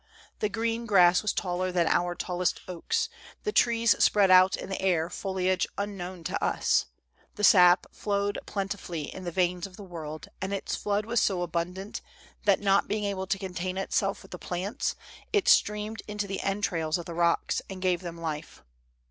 The green grass was taller than our tallest oaks; the trees spread out in the air foliage unknown to us. The sap flowed plentifully in the veins of the world, and its flood was so abun dant that, not being able to content itself with the plants, it streamed into the entrails of the rocks and gave them life.